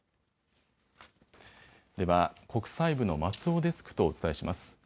では国際部の松尾デスクとお伝えします。